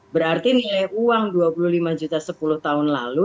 berarti nilai uang dua puluh lima juta sepuluh tahun lalu